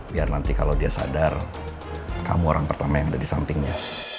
biar nanti kalau dia sadar kamu orang pertama yang ada di sampingnya